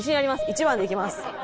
１番でいきます。